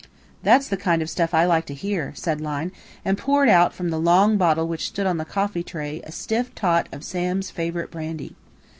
"That's the kind of stuff I like to hear," said Lyne, and poured out from the long bottle which stood on the coffee tray a stiff tot of Sam's favourite brandy.